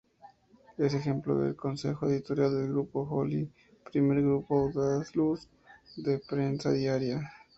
Es miembro del Consejo Editorial del Grupo Joly, primer grupo andaluz de prensa diaria.